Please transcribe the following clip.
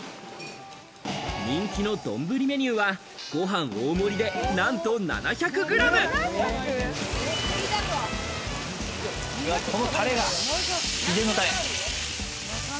人気の丼メニューは、ご飯大盛りでなんと７００ｇこのタレが秘伝のタレ。